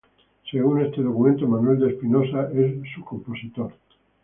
Según este documento, Manuel de Espinosa es su compositor.